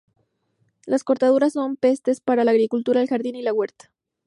Las cortadoras son pestes para la agricultura, el jardín y la huerta.